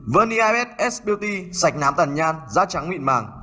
verniabed s beauty sạch nám tàn nhan da trắng mịn màng